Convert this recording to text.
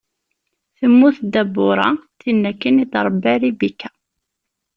Temmut Dabuṛa, tin akken i d-iṛebban Ribika.